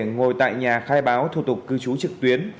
ngồi tại nhà khai báo thủ tục cư trú trực tuyến